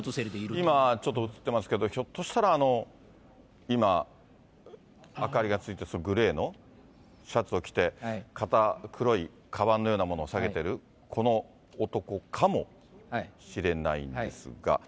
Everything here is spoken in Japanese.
今、ちょっと映ってますけど、ひょっとしたら、今、明かりがついてるそのグレーのシャツを着て、肩に黒いかばんのようなものを提げてる、この男かもしれないんですが。